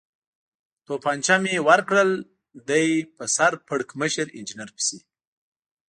تومانچه مې ورکړل، دی په سر پړکمشر انجنیر پسې.